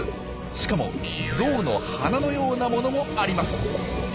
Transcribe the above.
しかもゾウの鼻のようなものもあります！